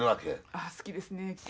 あ好きですね。